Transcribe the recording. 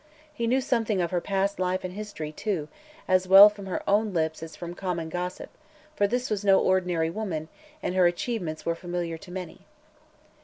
He knew something of her past life and history, too, as well from her own lips as from common gossip, for this was no ordinary woman and her achievements were familiar to many.